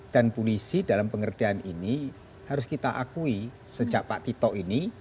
dan polisi dalam pengertian ini harus kita akui sejak pak tito ini